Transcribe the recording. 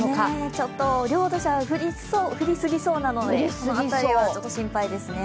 ちょっと量としては降りすぎそうなので、その辺りがちょっと心配ですね。